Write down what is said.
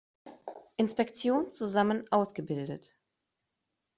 Inspektion zusammen ausgebildet.